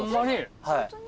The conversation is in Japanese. ホンマに？